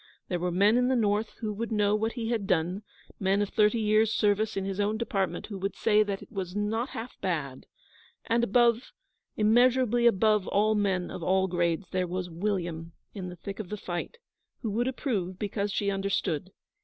There were men in the North who would know what he had done; men of thirty years' service in his own department who would say that it was 'not half bad'; and above, immeasurably above all men of all grades, there was William in the thick of the fight, who would approve because she understood.